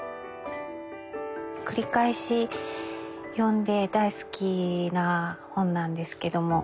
繰り返し読んで大好きな本なんですけども。